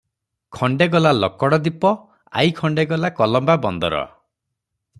ଖଣ୍ଡେ ଗଲା ଲକଡ଼ ଦ୍ୱୀପ, ଆଇ ଖଣ୍ଡେ ଗଲା କଲମ୍ବା ବନ୍ଦର ।